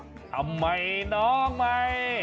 ทำใหม่น้องใหม่